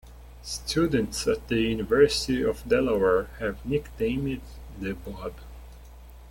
Students at the University of Delaware have nicknamed it The Bob.